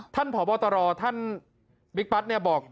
ท่านผ่อบอตรท่านบิ๊กปั๊ตต์เนี่ยบอก